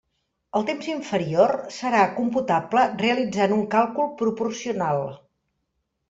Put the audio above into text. El temps inferior serà computable realitzant un càlcul proporcional.